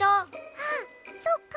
あっそっか。